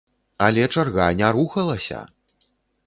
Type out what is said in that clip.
Але чарга не рухалася!